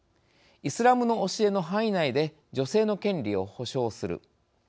イスラムの教えの範囲内で女性の権利を保障する。